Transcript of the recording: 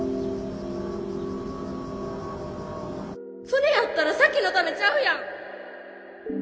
それやったら咲妃のためちゃうやん。